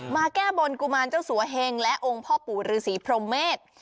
แก้บนกุมารเจ้าสัวเฮงและองค์พ่อปู่ฤษีพรมเมษ